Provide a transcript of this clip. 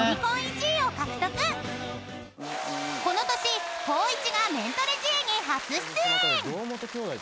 ［この年光一が『メントレＧ』に初出演］